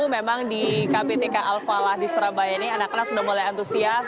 memang di kbtk al falah di surabaya ini anak anak sudah mulai antusias